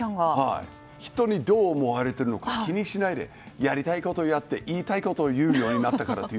人にどう思われているのか気にしないでやりたいことをやって言いたいことを言うようになったからと。